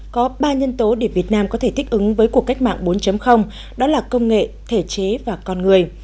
có ba nhân tố để việt nam có thể thích ứng với cuộc cách mạng bốn đó là công nghệ thể chế và con người